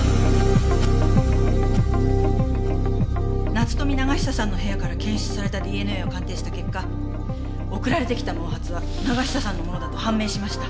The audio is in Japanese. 夏富永久さんの部屋から検出されたＤＮＡを鑑定した結果送られてきた毛髪は永久さんのものだと判明しました。